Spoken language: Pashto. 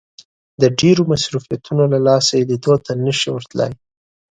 د ډېرو مصروفيتونو له لاسه يې ليدو ته نه شي ورتلای.